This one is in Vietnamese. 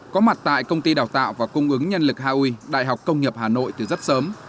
có mặt tại công ty đào tạo và cung ứng nhân lực hà uy đại học công nghiệp hà nội từ rất sớm